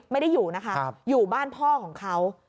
ไม่ได้อยู่นะคะอยู่บ้านพ่อของเขา